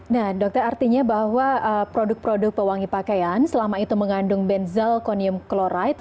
nah dokter artinya bahwa produk produk pewangi pakaian selama itu mengandung benzelconium kloride